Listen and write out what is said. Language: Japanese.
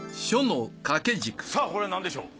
さあこれは何でしょう？